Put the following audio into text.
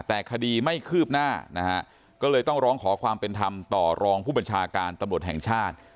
แต่คดีไม่คืบหน้านะฮะก็เลยต้องร้องขอความเป็นธรรมต่อรองผู้บัญชาการตำรวจแห่งชาติ